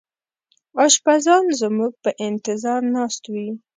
اشپزان زموږ په انتظار ناست وو.